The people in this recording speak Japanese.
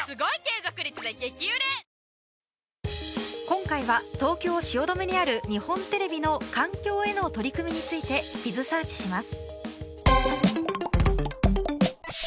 今回は東京・汐留にある日本テレビの環境への取り組みについてビズサーチします